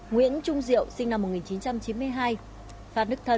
nguyễn trung diệu sinh năm một nghìn chín trăm chín mươi hai phan đức thân